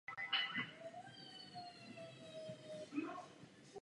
Vojáci v této pozici se starali o opravu a údržbu výstroje a zbraní.